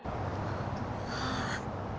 はあ。